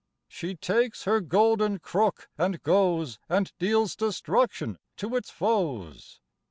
She takes her golden crook and goes And deals destruction to its foes.